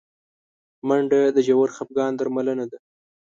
منډه د ژور خفګان درملنه ده